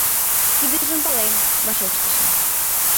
— Тидыжым палем, — вашештышым.